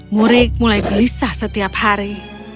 murik mulai belisah setiap hari